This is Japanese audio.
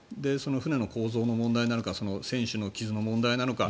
船の構造の問題なのか船首の傷の問題なのか